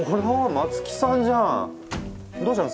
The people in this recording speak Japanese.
松木さんじゃんどうしたの？